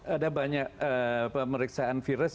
ada banyak pemeriksaan virus